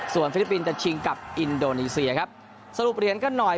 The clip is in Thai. ฟิลิปปินส์จะชิงกับอินโดนีเซียครับสรุปเหรียญกันหน่อย